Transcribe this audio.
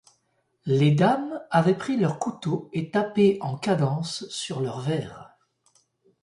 Les dames avaient pris leur couteau et tapaient en cadence sur leur verre.